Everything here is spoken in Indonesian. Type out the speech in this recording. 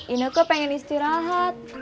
ineke pengen istirahat